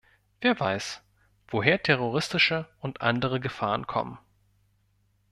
Wer weiß, woher terroristische und andere Gefahren kommen?